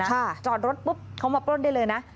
จอดรถปุ๊บเขามาปล้นได้เลยนะ